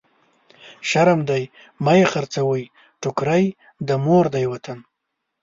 شرم دی مه يې خرڅوی، ټکری د مور دی وطن.